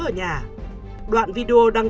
ở nhà đoạn video đăng